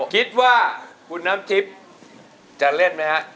คิดว่าคุณน้ำทิพย์จะเล่นไหมครับ